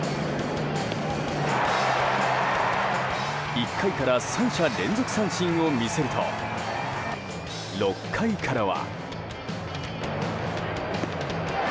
１回から３者連続三振を見せると６回からは。